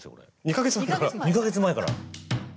２ヶ月前から。